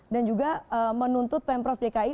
dan juga menuntut pemprov dki